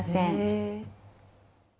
え。